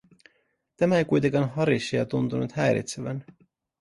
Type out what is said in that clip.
Tämä ei kuitenkaan Harishia tuntunut häiritsevän.